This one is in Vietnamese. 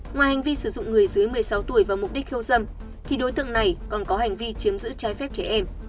ngoài hành vi sử dụng người dưới một mươi sáu tuổi vào mục đích khiêu dâm thì đối tượng này còn có hành vi chiếm giữ trái phép trẻ em